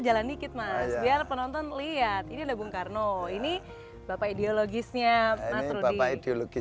jalan dikit mas biar penonton lihat ini ada bung karno ini bapak ideologisnya mas rudy